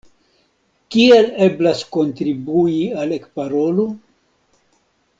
Kiel eblas kontribui al Ekparolu?